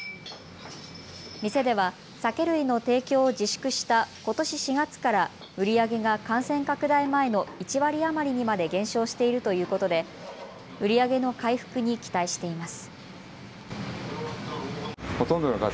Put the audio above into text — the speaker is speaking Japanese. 店では酒類の提供を自粛したことし４月から売り上げが感染拡大前の１割余りにまで減少しているということで売り上げの回復に期待しています。